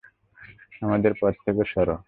আমাদের পথ থেকে সরো!